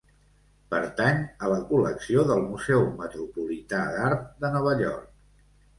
Pertany a la col·lecció del Museu Metropolità d'Art de Nova York.